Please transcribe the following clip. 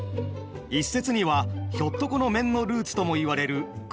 一説にはひょっとこの面のルーツともいわれる口をとがらせたもの。